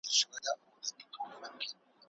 سرمایه داري د آزاد بازار پلوي کوي.